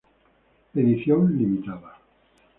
Edición limitada.